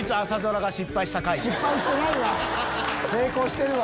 失敗してないわ！